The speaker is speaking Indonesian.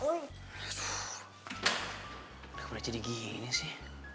udah kemarin jadi gini sih